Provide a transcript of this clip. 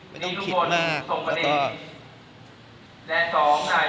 ไม่ต้องคิดมากแล้วก็